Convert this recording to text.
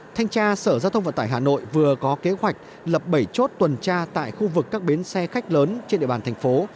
thanh tra sở giao thông vận tải hà nội vừa có kế hoạch lập bảy chốt tuần tra tại khu vực các bến xe khách lớn trên địa bàn thành phố